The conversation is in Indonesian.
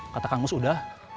kata kang mus udah